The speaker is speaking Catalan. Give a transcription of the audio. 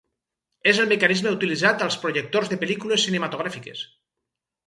És el mecanisme utilitzat als projectors de pel·lícules cinematogràfiques.